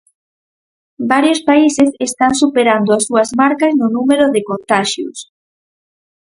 Varios países están superando as súas marcas no número de contaxios.